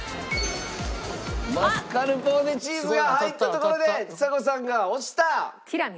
マスカルポーネチーズが入ったところでちさ子さんが押した！